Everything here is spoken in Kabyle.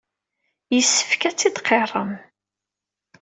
Yessefk ad t-id-tqirrem.